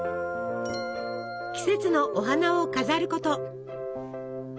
季節のお花を飾ること。